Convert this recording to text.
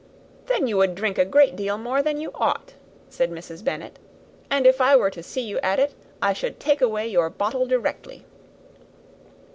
"Then you would drink a great deal more than you ought," said Mrs. Bennet; "and if I were to see you at it, I should take away your bottle directly."